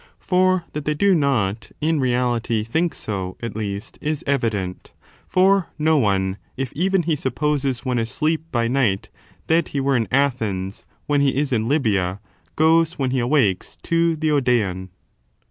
for that they do not, in reality, think so, at least, is evident ; for no one, if even he supposes when asleep by night that he were in Athens, when he is in Libya, goes, when he awakes, to the Odeion.